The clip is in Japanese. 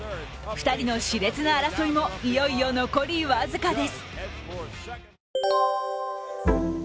２人のし烈な争いもいよいよ残り僅かです。